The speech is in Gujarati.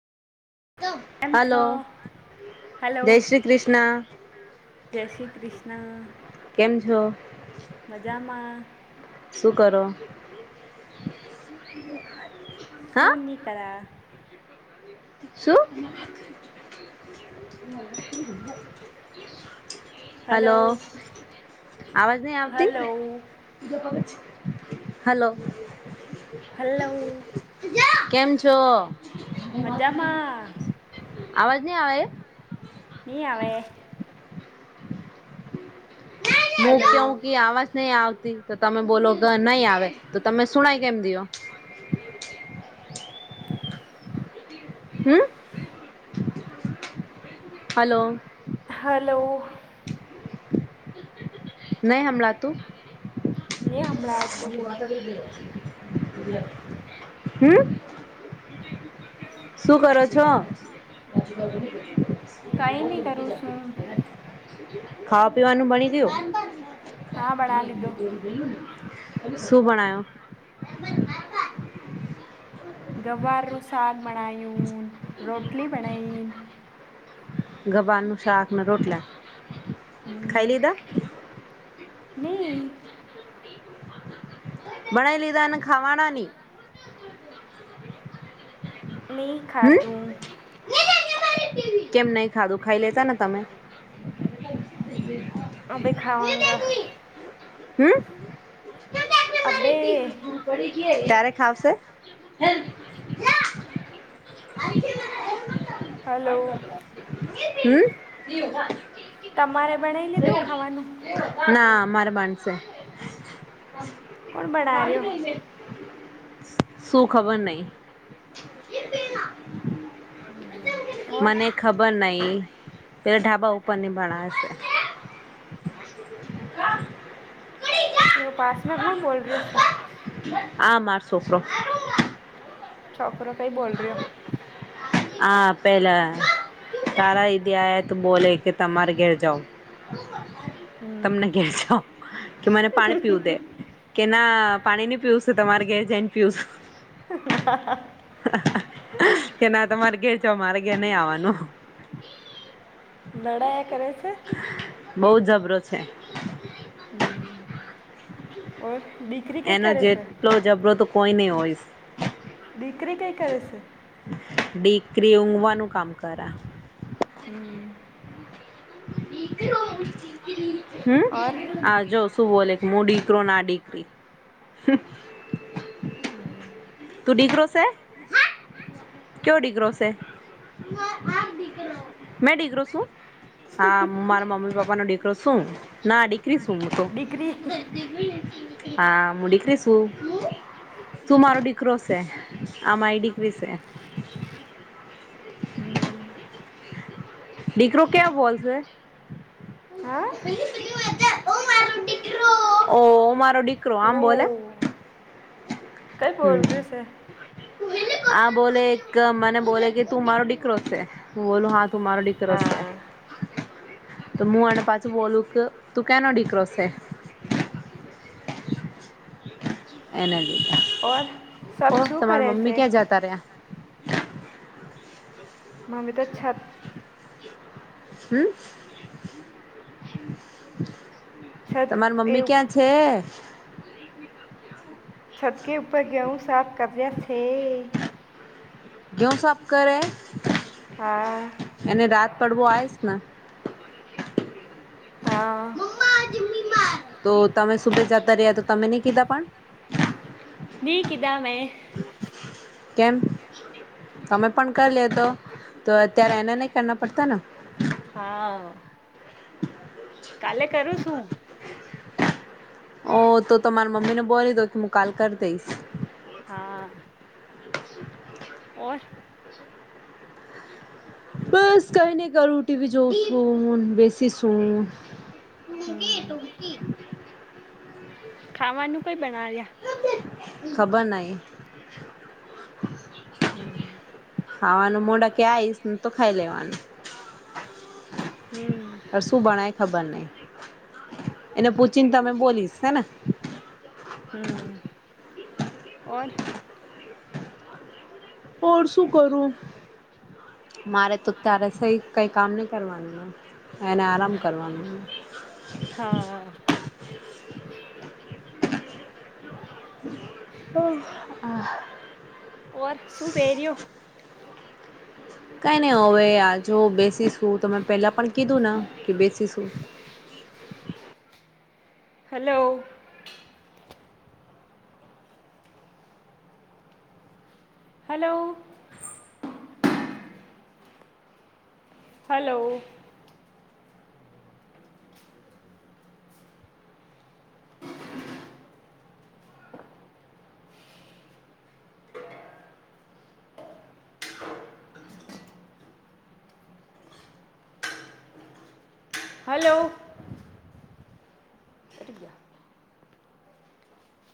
કેમ છો હલો હલો જય શ્રી કૃષ્ણ જય શ્રી કૃષ્ણ કેમ છો મજામાં શું કરો હા ફોન ન કર શું હલો અવાજ નહી આવતી હલો હલો હલો કેમ છો મજામાં અવાજ નહી આવે એ આવેવે હું હલો કવ કે આવાજ નહી આવતી તો તમે બોલો નહી આવે તો તમે સુણાય કેમ દો હમ હલો હલો નહી હ લ તું નહીં હમણાં તું હમ શું કરો છો કંઈ બોધ નહીં કરું છું જતી ખાવા પીવાનું બણી દું હા બના લીધો શું બણો ગવાારું સાદ બણાયું રોટલી બનાાયન ગવાનું શાખ મે રોટ લ ખાયલીધા નહી ભણાઈ લીધા અને ખાવાનાની નહીં હમ. ખાધું કેમ નહી ખાધું ખાઈ લેતા ને તમે. હભી ખાવા ગ હમ. બે ક્યારે ખાવશે? હ. હલો. હમ. તમારે ભનાઈ લીધું ખાવાનું ના મારે બનશે. કોણ બડા રયો શું ખબર નહિ ઓર મને ખબર નઈ પેલા ઢાબા ઉપર ની બનાવે શે [inaudible] એવ પાસ મક માં બોલ રે છે. આ માર સોકરો છોકરો કઈ બોલ રયો આ પેલા તારા ઇદયત બોલે કે તમારે ઘેર જાઓ તમને કે હમ છો કે મને પાણી પીવું દે કે ના પાણી નહી પીવું છે તમારે કે જને પીવું છ [inaudible] કે ના તમારે ઘેર છો મારે ઘેર નઈ આવાનું નડાયા કરે છે બહુ જબરો છે હમ ઓર દીકરી કંઈ એનો કરે છે જેટલો જબરો તો કોઈ ની હોય દીકરી કઈ કરેશે દીકરી ઊઘવાનું કામ કરા હમ હમ ઓર આ જો શું બોલે હું દીકરો ના દીકરી હમ તું દીકરો છે કયો ડિગરો છે મે ડિગરો શું હા મારા મમ્મી પપ્પા નો દીકરો શું ના દીકરી શ તો દીકરી હા હું ડિકરી શું તું મારો ડીકરો છે આ મારી ડીકરી છે હમ ડીકરો ક્યાં બોલશે? હા ઓ મારો ડી ઓ કઈ બોલ હમ ર શે આ બોલે એક મને બોલે કે તું મારો ડીકરો છે હું બોલું હા તું મારો ડીક કરો શે હા તો હું અણ પાછું બોલું કે તું કેના ડીકરો છે. એના લીધે ઓર ઓ સબ શું તમાર કરે મમ્મી છે ક્યાં જતા રહ્યા? મમી તો છે હમ છત તમાર મમ્મી એવું ક્યાં છે? છતકી ઉપર ઘેઉં સાફ કર્યા છે ઘેઉ સાફ કરે હા એને રાત પડવો આયસ ને હા તો તમે સુબે જતા રહ્યા તો તમે ની કીધા પણ ની કીધા મેં કેમ તમે પણ કરી લે તો તો અત્યારે એને નઈ કરના પડતા ને હા કાલે કરું શું ઓ તો તમારી મમ્મી ને બોલી દો કે હું કાલ કરી દઈશ હા ઓર બસ કઈ નને કરું ટીવી જોઉં છું બેસી છું હમ [unintelligible] [inaudible] ખાવાનું કોઈ બનાવ્યા ખબર નઈ હમ ખાવાનું મોઢ કે આયશ તો ખાઈ લેવાનું હમ અ શું બણાયું ખબર નહી એને પૂછીને તમે બોલીશ હેને હમ ઓર ઓર શું કરો મારે તો ત્યારે સહી કઈ કામ નહી કરવાનું એને આરામ કરવાનું હા તો આ ઓર શું પેરયું કઈ નહી હવે આ જો બેસીશું તમે પેલા પણ કીધું ને કે બેસીશું [inaudible] હલો હલો હલો હલો